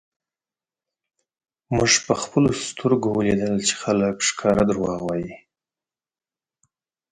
مونږ په خپلو سترږو ولیدل چی خلک ښکاره درواغ وایی